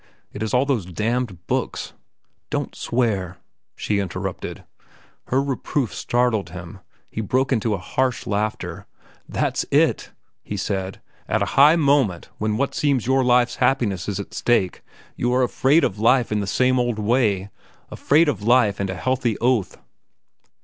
It is all those damned books—" "Don't swear," she interrupted. Her reproof startled him. He broke into a harsh laugh. "That's it," he said, "at a high moment, when what seems your life's happiness is at stake, you are afraid of life in the same old way—afraid of life and a healthy oath."